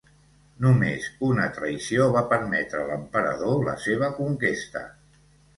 Només una traïció va permetre a l'emperador la seva conquesta.